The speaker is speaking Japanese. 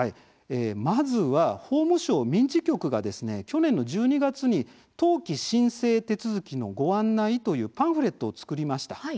まずは法務省民事局が去年の１２月に「登記申請手続きのご案内」というパンフレットを作りました。